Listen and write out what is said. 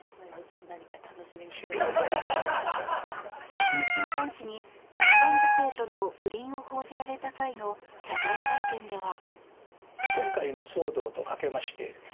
写真週刊誌に一般女性との不倫を報じられた際の謝罪会見では。